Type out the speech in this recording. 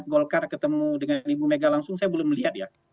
golkar ketemu dengan ibu mega langsung saya belum melihat ya